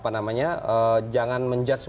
apa namanya jangan menjudge